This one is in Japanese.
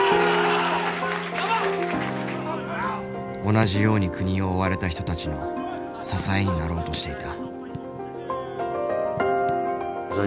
同じように国を追われた人たちの支えになろうとしていた。